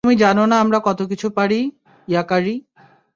তুমি জানো না আমরা কত কিছু পারি, ইয়াকারি।